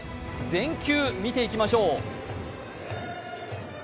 全球見ていきましょう。